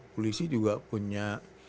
polisi juga punya